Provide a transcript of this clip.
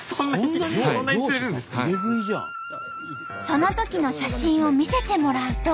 そのときの写真を見せてもらうと。